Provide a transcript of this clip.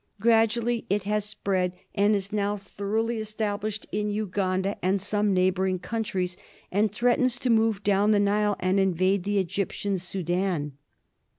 Gradually it has spread and is now thoroughly established in Uganda and some neighbouring countries, and threatens to move down the Nile and invade the Egyptian Soudan.